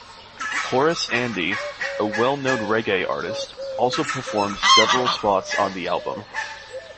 Horace Andy, a well-known reggae artist, also performed several spots on the album.